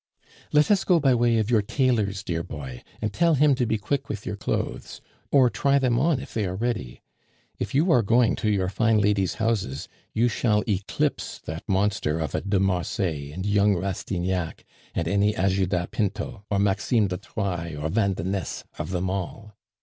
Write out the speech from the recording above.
"Let us go by way of your tailor's, dear boy, and tell him to be quick with your clothes, or try them on if they are ready. If you are going to your fine ladies' houses, you shall eclipse that monster of a de Marsay and young Rastignac and any Ajuda Pinto or Maxime de Trailles or Vandenesse of them all.